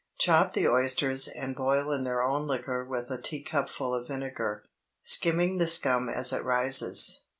Chop the oysters and boil in their own liquor with a teacupful of vinegar, skimming the scum as it rises.